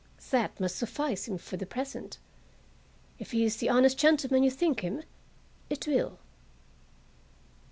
That must suffice him for the present. If he Is the honest gentleman you think him, It will."